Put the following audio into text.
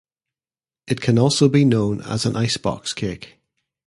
It can also be known as an "ice-box cake".